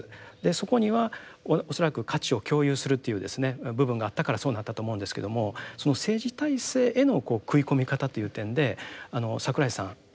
そこには恐らく価値を共有するという部分があったからそうなったと思うんですけどもその政治体制への食い込み方という点で櫻井さん。